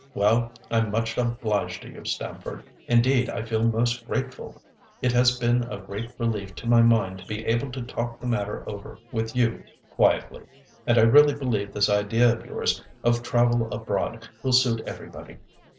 Well, I'm much obliged to you, Stamford; indeed I feel most grateful; it has been a great relief to my mind to be able to talk the matter over with you quietly, and I really believe this idea of yours of travel abroad will suit everybody.